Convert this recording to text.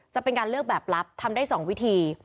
จะเป็นการเลือกแบบลับทำได้๒วิธี